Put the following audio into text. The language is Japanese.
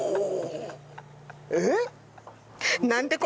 えっ？